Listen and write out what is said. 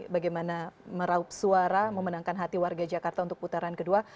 bagaimana meraup suara memenangkan hati warga jakarta untuk putaran kedua